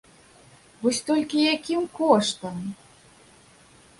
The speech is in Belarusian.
Вось толькі якім коштам?